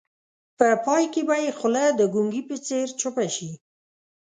په پای کې به یې خوله د ګونګي په څېر چپه شي.